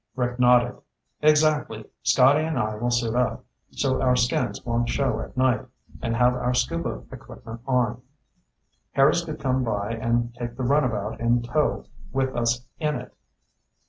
Rick nodded. "Exactly. Scotty and I will suit up, so our skins won't show at night, and have our Scuba equipment on. Harris could come by and take the runabout in tow with us in it.